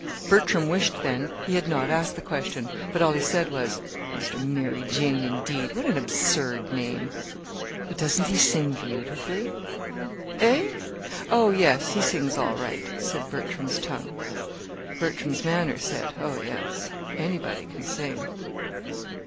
Bertram wished then he had not asked the question; but all he said was: "'Mr. Mary Jane,' indeed! What an absurd name!" "But doesn't he sing beautifully?" "Eh? Oh, yes, he sings all right," said Bertram's tongue. Bertram's manner said: "Oh, yes, anybody can sing."